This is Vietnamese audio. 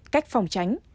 cách phòng tránh